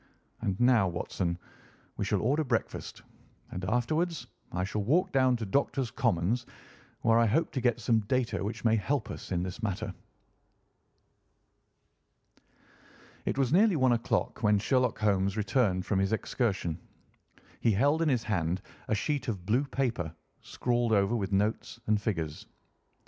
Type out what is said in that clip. And now, Watson, we shall order breakfast, and afterwards I shall walk down to Doctors' Commons, where I hope to get some data which may help us in this matter." It was nearly one o'clock when Sherlock Holmes returned from his excursion. He held in his hand a sheet of blue paper, scrawled over with notes and figures.